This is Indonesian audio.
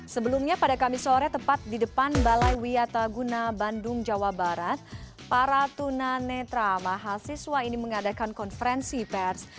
sebelumnya pada kamis sore tepat di depan balai wiataguna bandung jawa barat para tunanetra mahasiswa ini mengadakan konferensi pers